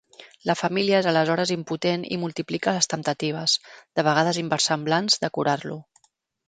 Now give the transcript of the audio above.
La família és aleshores impotent i multiplica les temptatives, de vegades inversemblants, de curar-lo.